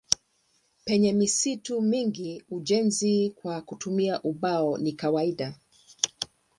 Penye misitu mingi ujenzi kwa kutumia ubao ni kawaida.